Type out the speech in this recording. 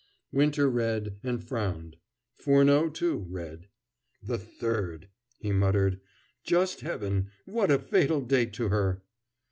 Winter read, and frowned. Furneaux, too, read. "The 3d!" he muttered. "Just Heaven, what a fatal date to her!"